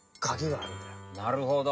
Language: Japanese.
なるほど。